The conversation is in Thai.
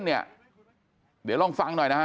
เดี๋ยวลองฟังหน่อยนะฮะ